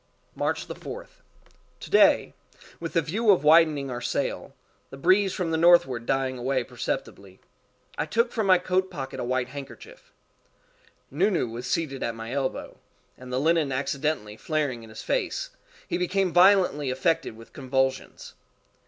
March 4th. To day, with the view of widening our sail, the breeze from the northward dying away perceptibly, I took from my coat pocket a white handkerchief. Nu Nu was seated at my elbow, and the linen accidentally flaring in his face, he became violently affected with convulsions.